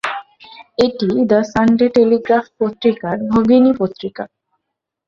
এটি "the Sunday Telegraph" পত্রিকার ভগিনী পত্রিকা।